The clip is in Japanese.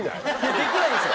できないんっすよ！